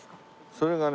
それがね